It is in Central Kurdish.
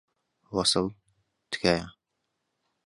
وەسڵ، تکایە.